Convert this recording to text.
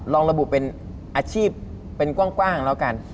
ลองระบุเป็นอาชีพเป็นกว้างแล้วกัน